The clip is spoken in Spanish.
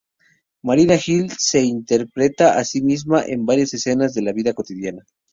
Martina Hill se interpreta a sí misma en varias escenas de la vida cotidiana.